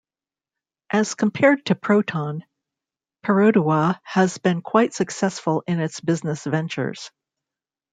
As compared to Proton, Perodua has been quite successful in its business ventures.